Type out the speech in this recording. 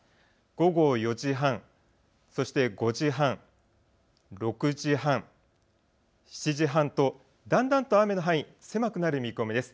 午後４時半、そして５時半、６時半、７時半とだんだんと雨の範囲、狭くなる見込みです。